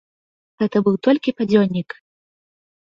Гэта быў толькі падзённік.